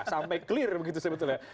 sampai clear begitu sebetulnya